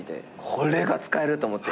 これが使えると思って。